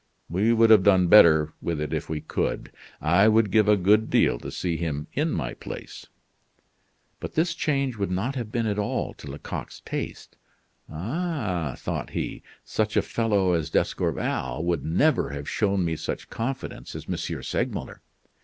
We would have done better with it if we could. I would give a good deal to see him in my place." But this change would not have been at all to Lecoq's taste. "Ah," thought he, "such a fellow as D'Escorval would never have shown me such confidence as M. Segmuller."